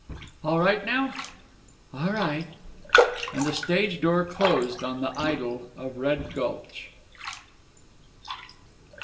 "All right now?" "All right." And the stage door closed on the Idyl of Red Gulch.